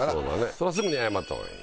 それはすぐに謝った方がいい。